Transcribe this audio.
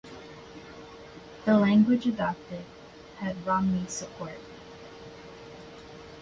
The language adopted had Romney's support.